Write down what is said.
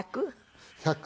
１００？